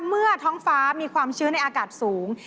เมื่อท้องฟ้ามีความชื้นในอากาศสูง